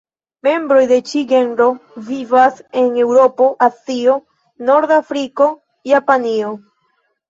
Membroj de ĉi genro vivas en Eŭropo, Azio, Norda Afriko, Japanio.